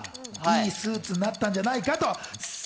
いいスーツに変わったんじゃないかと。